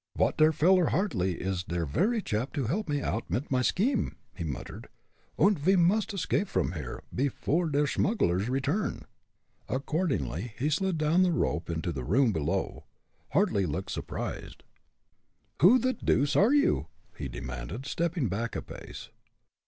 "Dot veller Hartly is der very chap to helb me oud mit my scheme," he muttered, "und ve must escape from here, pefore der smugglers return." Accordingly he slid down the rope into the room below. Hartly looked surprised. "Who the deuce are you?" he demanded, stepping back a pace.